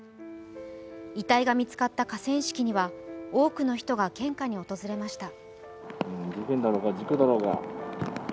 遺体が見つかった河川敷には多くの人が献花に訪れました。